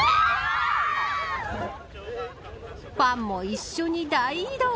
ファンも一緒に大移動。